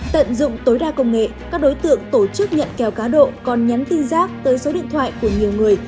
tận dụng tối đa công nghệ các đối tượng tổ chức nhận kèo cá độ còn nhắn tin rác tới số điện thoại của nhiều người